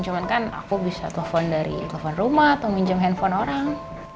cuman kan aku bisa telepon dari telepon rumah atau minjem handphone orang